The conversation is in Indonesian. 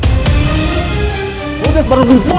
lo udah sebaru duit gue ya